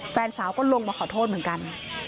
แฟนสาวก็ลงมาขอโทษเหมือนกัน